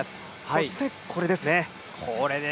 そしてこれですね。